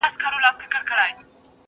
کلي نوې څېره خپلوي ورو.